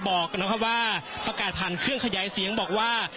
บอกนะครับว่าประกาศผ่านเครื่องขยายเสียงบอกว่า